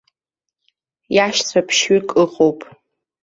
Иашьцәа ԥшьҩык ыҟоуп.